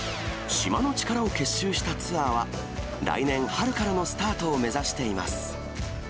島の力を結集したツアーは、来年春からのスタートを目指しています。